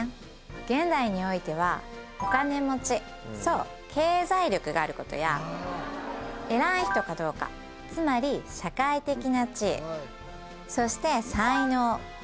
現代においてはお金持ちそう経済力があることや偉い人かどうかつまり社会的な地位そして才能